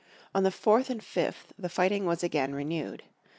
On the 4th and 5th the fighting was again renewed.